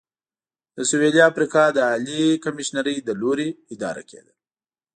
د سوېلي افریقا د عالي کمېشۍ له لوري اداره کېده.